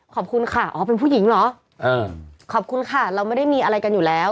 ขอบคุณค่ะอ๋อเป็นผู้หญิงเหรอเออขอบคุณค่ะเราไม่ได้มีอะไรกันอยู่แล้ว